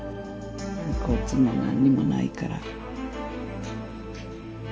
遺骨も何にもないから。